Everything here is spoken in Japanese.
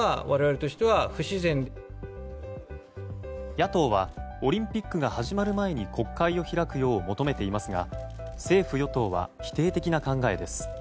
野党はオリンピックが始まる前に国会を開くよう求めていますが政府・与党は否定的な考えです。